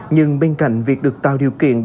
nhưng bên cạnh việc được tạo điều kiện